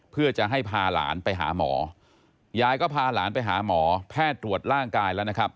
เพื่อจะให้พาหลานไปหาหมอยายก็พาหลานไปหาหมอแพทย์ตรวจร่างกายแล้วนะครับ